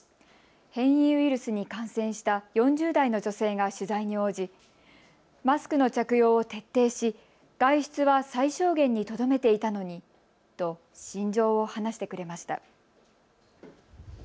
変異ウイルスに感染した４０代の女性が取材に応じマスクの着用を徹底し外出は最小限にとどめていたのにと心情を話してくれました。